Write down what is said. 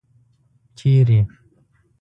ـ چېرته ؟